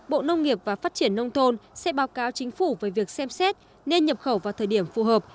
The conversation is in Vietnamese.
bộ nông nghiệp và phát triển nông thôn sẽ báo cáo chính phủ về việc xem xét nên nhập khẩu vào thời điểm phù hợp